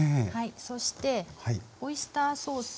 そしてオイスターソース。